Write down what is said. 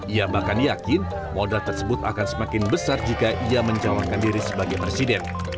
ia bahkan yakin modal tersebut akan semakin besar jika ia menjawabkan diri sebagai presiden